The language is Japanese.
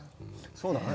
そうだな。